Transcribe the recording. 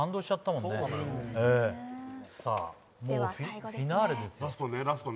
もうフィナーレですよ。